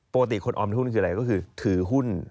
คนออมหุ้นคืออะไรก็คือถือหุ้น